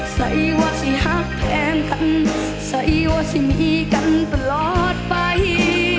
ใส่ว่าสิหักแทนกันใส่ว่าสิมีกันตลอดไป